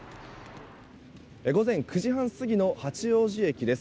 午前９時半過ぎの八王子駅です。